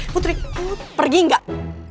putri lo pergi gak